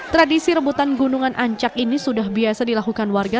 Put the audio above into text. tradisi rebutan gunungan ancak ini sudah biasa dilakukan warga